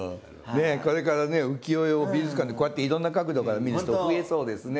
ねえこれから浮世絵を美術館でこうやっていろんな角度から見る人増えそうですね。